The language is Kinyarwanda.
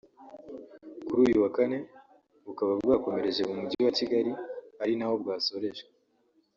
kuri uyu wa Kane bukaba bwakomereje mu Mujyi wa Kigali ari naho bwasorejwe